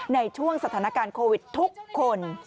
ในช่วงสถานการณ์โควิดทุกคน